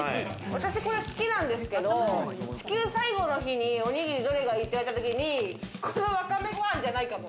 私これ好きなんですけど、地球最後の日におにぎりどれがいい？って言われた時に、このわかめごはんじゃないかも。